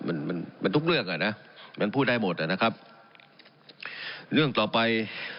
มันมันทุกเรื่องอ่ะนะมันพูดได้หมดอ่ะนะครับเรื่องต่อไป